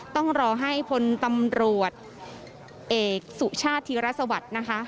ต้องรอให้พลตำรวจเอกสุชาติธีรสวัสดิ์นะคะ